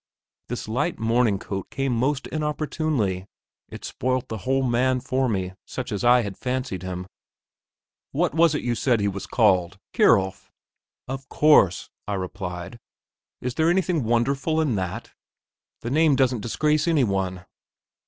This light morning coat came most inopportunely; it spoilt the whole man for me such as I had fancied him. "What was it you said he was called? Kierulf?" "Of course," I replied. "Is there anything wonderful in that? The name doesn't disgrace any one."